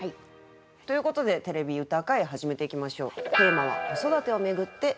ということで「てれび歌会」始めていきましょう。